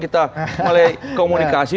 kita mulai komunikasi